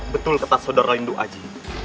betul kata sodara induk aji